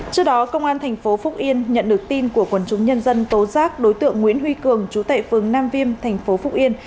trước đó công an thành phố phúc yên nhận được tin của quần chúng nhân dân tố giác đối tượng nguyễn huy cường chú tệ phương nam viêm thành phố phúc yên